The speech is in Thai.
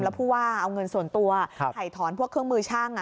แล้วผู้ว่าเอาเงินส่วนตัวถ่ายถอนพวกเครื่องมือช่าง